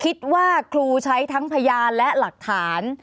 คิดว่าครูใช้ทั้งพยานและหลักฐาน